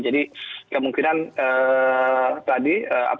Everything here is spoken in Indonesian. jadi kemungkinan tadi